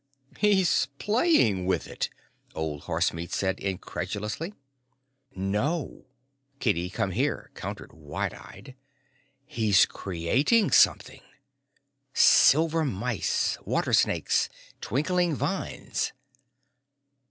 "He's playing with it," Old Horsemeat said incredulously. "No," Kitty Come Here countered wide eyed, "he's creating something. Silver mice. Water snakes. Twinkling vines."